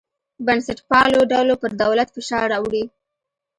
بنسټپالو ډلو پر دولت فشار راوړی.